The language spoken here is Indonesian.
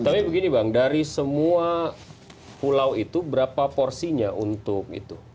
tapi begini bang dari semua pulau itu berapa porsinya untuk itu